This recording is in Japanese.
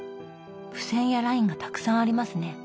付箋やラインがたくさんありますね。